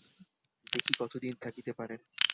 দেখি কত দিন থাকিতে পারেন?